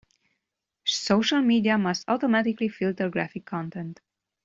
Social media must automatically filter graphic content.